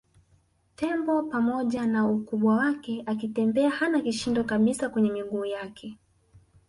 Tembo pamoja na ukubwa wake akitembea hana kishindo kabisa kwenye miguu yake